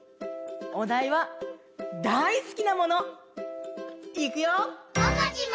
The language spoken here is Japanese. おだいは「だいすきなもの」。いくよ！